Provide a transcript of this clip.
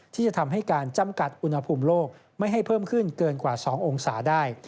ที่จะทำให้การจำกัดอุณหภูมิโลกไม่ให้เพิ่มขึ้นเกินกว่า๒องศาได้